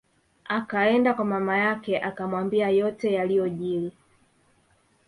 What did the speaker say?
Akaenda kwa mama yake akamwambia yote yaliyojili